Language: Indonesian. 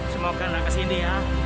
semoga dia kesini ya